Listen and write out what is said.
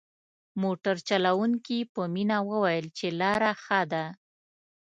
موټر چلوونکي په مينه وويل چې لاره ښه ده.